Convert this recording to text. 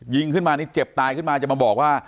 ยิงขึ้นมานี่เจ็บตายขึ้นมาจะมาบอกว่า